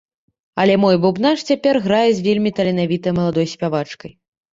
Але мой бубнач цяпер грае з вельмі таленавітай маладой спявачкай.